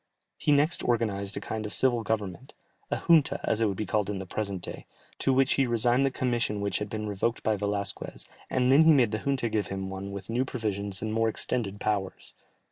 He next organized a kind of civil government, a junta, as it would be called in the present day, to which he resigned the commission which had been revoked by Velasquez, and then he made the junta give him one with new provisions and more extended powers.